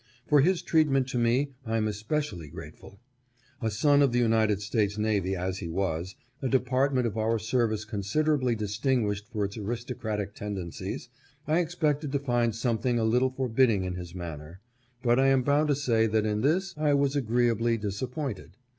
For his treatment to me I am especially grateful. A son of the United States navy as he was — a department of our service consider ably distinguished for its aristocratic tendencies — I expected to find something a little forbidding in his man ner; but I am bound to say that in this I was agreeably COMPANIONS ON THE VOYAGE. 501 disappointed.